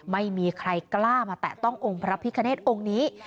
ไม่มีใครกล้ามาแตะต้ององค์พระพิคเนธองค์นี้